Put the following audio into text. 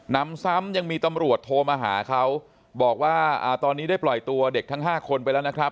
นำซ้ำยังมีตำรวจโทรมาหาเขาบอกว่าตอนนี้ได้ปล่อยตัวเด็กทั้ง๕คนไปแล้วนะครับ